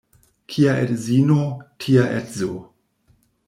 Kia edzino, tia edzo.